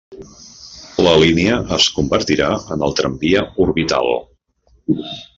La línia es convertirà en el Tramvia Orbital.